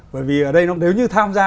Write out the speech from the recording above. bởi vì ở đây nếu như tham gia